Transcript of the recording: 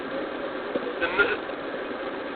Tenna-as ad d-yadef ɣer uxxam.